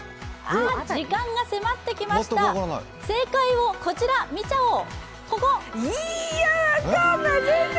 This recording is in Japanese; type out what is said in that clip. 時間が迫ってきました、正解を見ちゃおう。